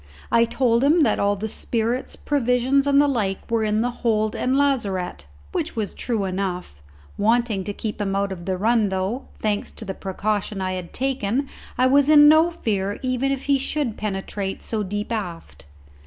I told him that all the spirits, provisions, and the like were in the hold and lazarette, which was true enough, wanting to keep him out of the run, though, thanks to the precaution I had taken, I was in no fear even if he should penetrate so deep aft.